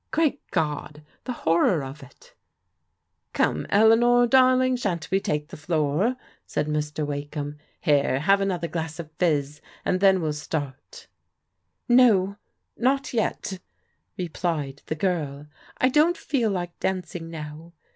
Great God, the hor ror of it f "0>me, Eleanor darling, shan't we take the floor?'* said Mr. Wakeham. " Here, have another glass of fizz, and then well start." "No, not yet!" replied the girl. "I don't feel like dancing now.